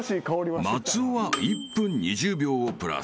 ［松尾は１分２０秒をプラス］